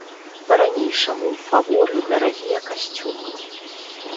Па-ранейшаму ў фаворы дарагія касцюмы.